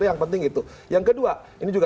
yang penting itu yang kedua ini juga